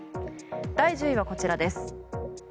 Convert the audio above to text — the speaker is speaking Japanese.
第１０位はこちらです。